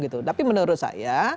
tapi menurut saya